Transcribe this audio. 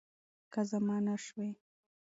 که زما نه شوی